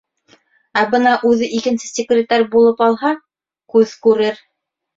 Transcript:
Ә бына үҙе икенсе секретарь булып алһа, күҙ күрер.